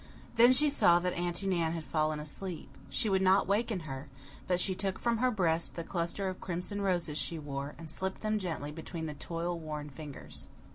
Then she saw that Aunty Nan had fallen asleep. She would not waken her, but she took from her breast the cluster of crimson roses she wore and slipped them gently between the toil worn fingers.